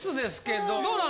どうなの？